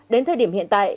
đến thời điểm hiện tại